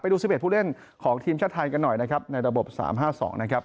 ไปดูสิบเอ็ดผู้เล่นของทีมชาติไทยกันหน่อยนะครับในระบบสามห้าสองนะครับ